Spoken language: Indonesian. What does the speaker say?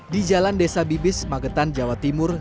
di jalan desa bibis magetan jawa timur